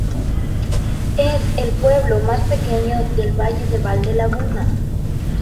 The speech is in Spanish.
Es el pueblo más pequeño del Valle de Valdelaguna.